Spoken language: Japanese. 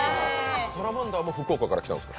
サラマンダーも福岡から来たんですか？